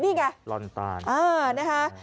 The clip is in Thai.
นี่ไงโลนะตาล